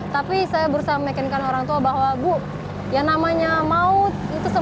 tapi saya berusaha memikirkan orang tua bahwa bu yang namanya mau itu semuanya pasti sudah ditentukan